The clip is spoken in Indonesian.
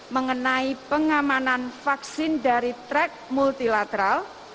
mengenai pengamanan vaksin dari track multilateral